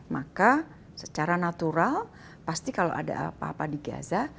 maka secara natural pasti kalau ada apa apa di gaza